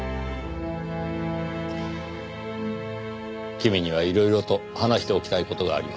君にはいろいろと話しておきたい事があります。